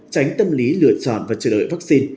tránh tâm lý lựa chọn và chờ đợi vaccine